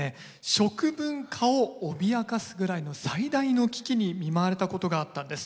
食文化を脅かすぐらいの最大の危機に見舞われたことがあったんです。